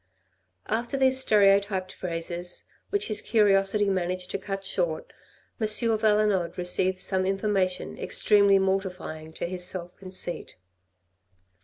After these stereotyped phrases, which his curiosity managed to cut short, Monsieur Valenod received some in formation extremely mortifying to his self conceit.